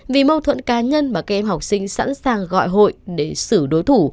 vì mâu thuẫn cá nhân mà các em học sinh sẵn sàng gọi hội để xử đối thủ